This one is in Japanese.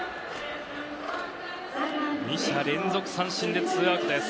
２者連続三振でツーアウトです。